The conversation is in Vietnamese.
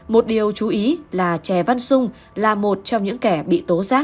một điều chú ý là trẻ văn sung là một trong những kẻ bị tố giác